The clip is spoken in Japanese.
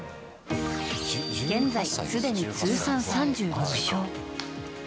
現在すでに通算３６勝。